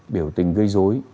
biểu tình gây dối